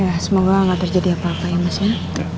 ya semoga nggak terjadi apa apa ya mas ya